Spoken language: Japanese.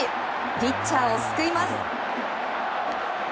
ピッチャーを救います。